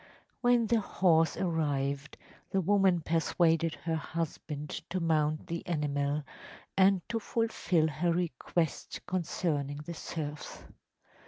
‚ÄĚ When the horse arrived the woman persuaded her husband to mount the animal, and to fulfil her request concerning the serfs.